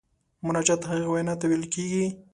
مناجات هغې وینا ته ویل کیږي.